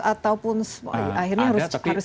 ataupun akhirnya harus